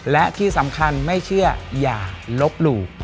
และที่สำคัญไม่เชื่ออย่าลบหลู่